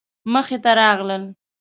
مخې ته راغلل.